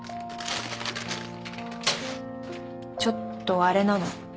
ちょっとあれなの？